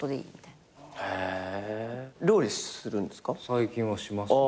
最近はしますね。